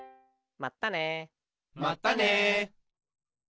まったね。